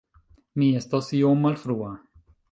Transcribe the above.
Mi estas iom malfrua